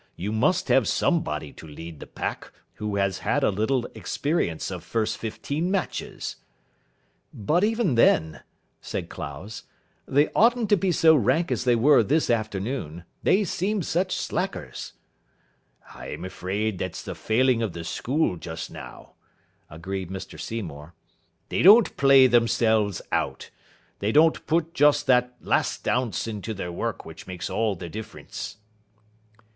You must have somebody to lead the pack who has had a little experience of first fifteen matches." "But even then," said Clowes, "they oughtn't to be so rank as they were this afternoon. They seemed such slackers." "I'm afraid that's the failing of the school just now," agreed Mr Seymour. "They don't play themselves out. They don't put just that last ounce into their work which makes all the difference."